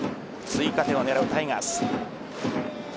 追加点を狙うタイガース。